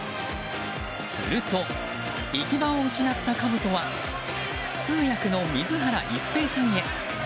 すると、行き場を失ったかぶとは通訳の水原一平さんへ。